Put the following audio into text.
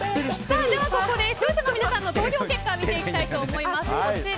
ここで視聴者の皆さんの投票結果を見ていきます。